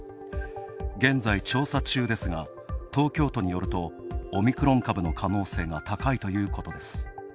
現在調査中ですが、東京都によるとオミクロン株の可能性が高いということです。